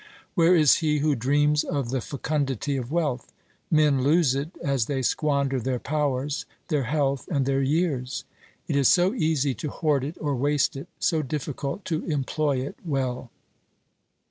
Where is he who dreams of the fecundity of wealth ? Men lose it as they squander their powers, their health and their years. It is so easy to hoard it or waste it, so difficult to employ it well.